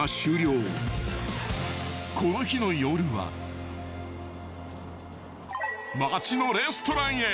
［この日の夜は街のレストランへ］